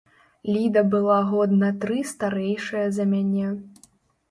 Ліда была год на тры старэйшая за мяне.